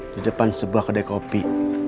di depan sebuah kedai kopi